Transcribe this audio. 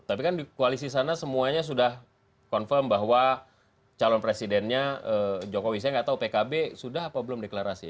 tapi kan di koalisi sana semuanya sudah confirm bahwa calon presidennya jokowi saya nggak tahu pkb sudah apa belum deklarasi